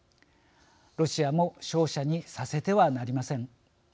ロシアも勝者にさせてはなりません。